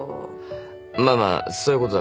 まあまあそういうことだから。